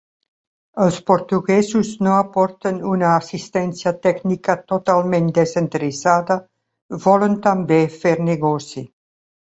Els portuguesos no aporten una assistència tècnica totalment desinteressada, volen també fer negoci.